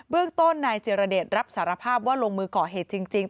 เรื่องต้นนายเจรเดชรับสารภาพว่าลงมือก่อเหตุจริง